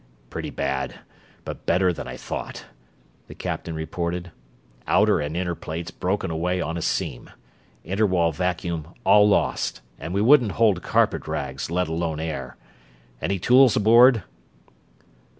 "Pretty bad, but better than I thought," the captain reported. "Outer and inner plates broken away on a seam. Inter wall vacuum all lost, and we wouldn't hold carpet rags, let alone air. Any tools aboard?"